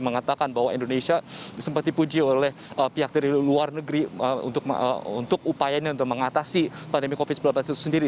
mengatakan bahwa indonesia sempat dipuji oleh pihak dari luar negeri untuk upayanya untuk mengatasi pandemi covid sembilan belas itu sendiri